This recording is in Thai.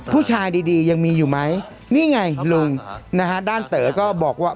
ผู้ชายดียังมีอยู่ไหมนี่ไงลุงนะฮะด้านเต๋อก็บอกว่า